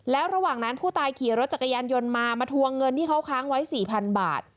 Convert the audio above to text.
แล้วระหว่างนั้นผู้ตายขี่รถจักรยานยนต์มามาทวงเงินที่เขาค้างไว้๔๐๐๐บาท